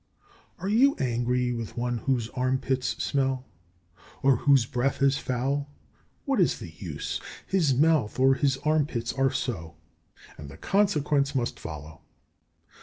28. Are you angry with one whose armpits smell or whose breath is foul? What is the use? His mouth or his arm pits are so, and the consequence must follow.